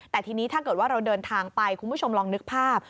แต่ทีนี้ถ้าเกิดว่าเราเดินทางไปคุณผู้ชมลองนึกภาพ